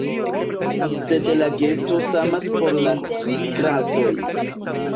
Sed la gesto samas por la tri gradoj.